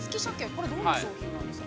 これどういう商品なんですか。